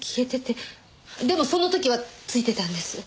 でもその時は付いてたんです。